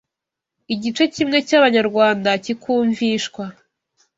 igice kimwe cy’abanyarwanda kikumvishwa